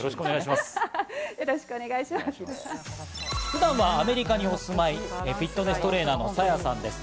普段はアメリカにお住まい、フィットネストレーナーのＳａｙａさんです。